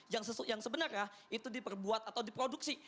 yang sebenarnya itu diperbuat atau diproduksi